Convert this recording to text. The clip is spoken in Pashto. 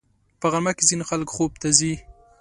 په غرمه کې ځینې خلک خوب ته ځي